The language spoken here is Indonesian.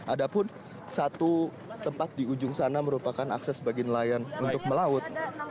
ada pun satu tempat di ujung sana merupakan akses bagi nelayan untuk melaut